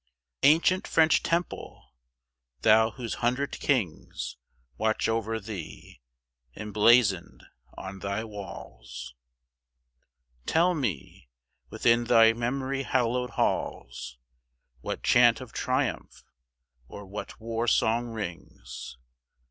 Ancient French temple! thou whose hundred kings Watch over thee, emblazoned on thy walls, Tell me, within thy memory hallowed halls What chant of triumph, or what war song rings?